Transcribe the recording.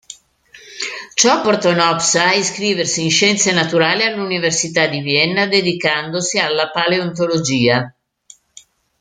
Ciò portò Nopcsa a iscriversi in scienze naturali all'Università di Vienna dedicandosi alla paleontologia.